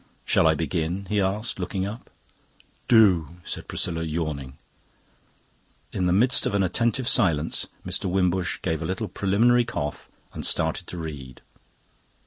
"Shall I begin?" he asked, looking up. "Do," said Priscilla, yawning. In the midst of an attentive silence Mr. Wimbush gave a little preliminary cough and started to read.